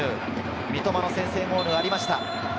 三笘の先制ゴールがありました。